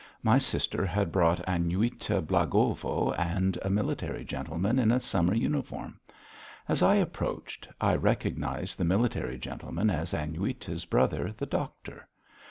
My sister had brought Aniuta Blagovo and a military gentleman in a summer uniform. As I approached I recognised the military gentleman as Aniuta's brother, the doctor.